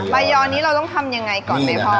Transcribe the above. ใบยอนี้เราต้องทำอย่างไรก่อนเลยพ่อ